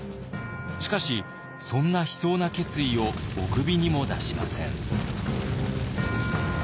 しかしそんな悲壮な決意をおくびにも出しません。